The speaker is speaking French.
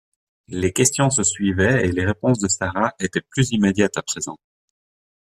Les questions se suivaient, et les réponses de Sara étaient plus immédiates à présent.